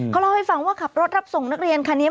เขาเล่าให้ฟังว่าขับรถรับส่งนักเรียนคันนี้